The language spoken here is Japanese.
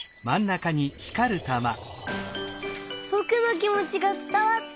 ぼくのきもちがつたわった！